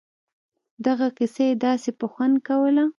دغه کيسه يې داسې په خوند کوله.